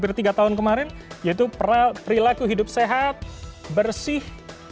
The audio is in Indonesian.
hampir tiga tahun kemarin yaitu perilaku hidup sehat bersih